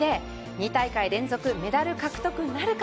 ２大会連続メダル獲得なるか。